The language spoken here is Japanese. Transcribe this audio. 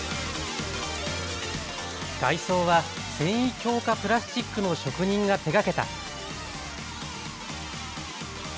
外装は繊維強化プラスチックの職人が手がけた。